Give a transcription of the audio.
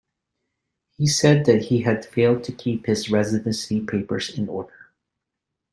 He said that he had failed to keep his residency papers in order.